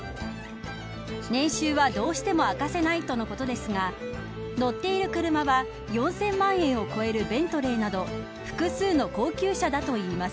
年収は、どうしても明かせないとのことですが乗っている車は４０００万円を超えるベントレーなど複数の高級車だといいます。